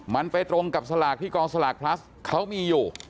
มันไปตรงกับสลากที่กองสลากพลัสเขามีอยู่